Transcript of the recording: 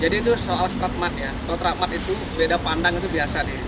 jadi itu soal stratmat ya soal stratmat itu beda pandang itu biasa deh